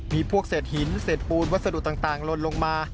มีพวกเศษหินเศษปูนวัสดุต่างลนลงมา